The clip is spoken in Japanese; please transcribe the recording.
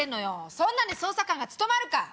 そんなんで捜査官が務まるか！